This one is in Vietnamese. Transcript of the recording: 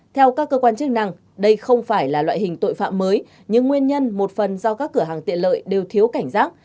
theo các cơ quan chức năng đây không phải là loại hình tội phạm mới nhưng nguyên nhân một phần do các cửa hàng tiện lợi đều thiếu cảnh giác